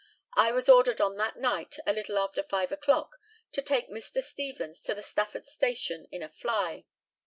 I was ordered on that night, a little after five o'clock, to take Mr. Stevens to the Stafford station in a fly.